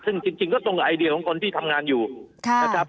ซึ่งจริงก็ตรงไอเดียของคนที่ทำงานอยู่นะครับ